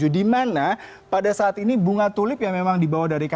di mana pada saat ini bunga tulip yang memang dibawa dari kpk